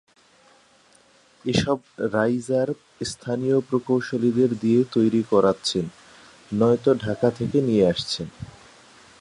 এসব রাইজার স্থানীয় প্রকৌশলীদের দিয়ে তৈরি করাচ্ছেন, নয়তো ঢাকা থেকে নিয়ে আসছেন।